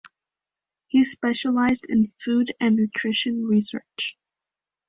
He specialised in food and nutrition research.